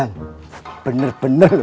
ikan ini membawa keberuntungan